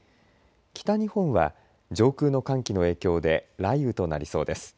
北日本は上空の寒気の影響で雷雨となりそうです。